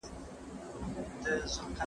د لوپټې په سيوري مه کوه خوبونه